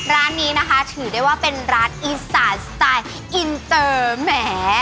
ร้านนี้นะคะถือได้ว่าเป็นร้านอีสานสไตล์อินเตอร์แหม